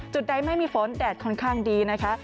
ใดไม่มีฝนแดดค่อนข้างดีนะคะ